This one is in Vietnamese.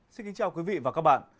xin kính chào quý vị và các bạn